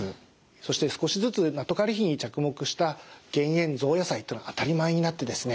そして少しずつナトカリ比に着目した減塩増野菜というのは当たり前になってですね